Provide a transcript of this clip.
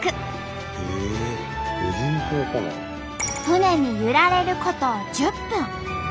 船に揺られること１０分。